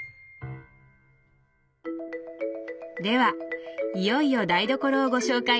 ではいよいよ台所をご紹介頂けますか。